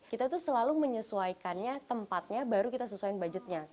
kita tuh selalu menyesuaikannya tempatnya baru kita sesuaiin budgetnya